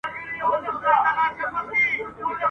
که ویلې دي سندري غر به درکړي جوابونه ..